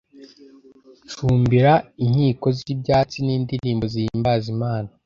Cumbira inkiko zibyatsi, n'indirimbo zihimbaza Imana,